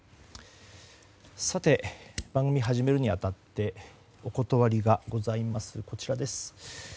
さて、番組始めるに当たってお断りがございます。